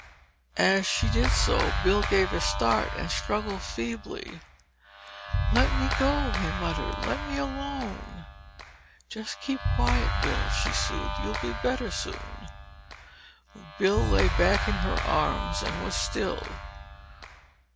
As she did so Bill gave a start and struggled feebly. "Let me go!" he muttered. "Let me alone!" "Just keep quiet, Bill," she soothed. "You'll be better soon." Bill lay back in her arms and was still.